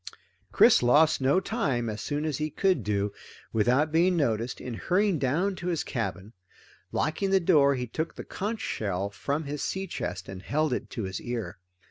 Chris lost no time, as soon as he could do it without being noticed, in hurrying down to his cabin. Locking the door, he took the conch shell from his sea chest and held it to his ear.